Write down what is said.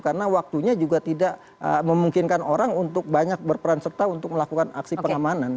karena waktunya juga tidak memungkinkan orang untuk banyak berperan serta untuk melakukan aksi pengamanan